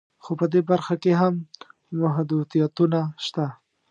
خو په دې برخه کې هم محدودیتونه شته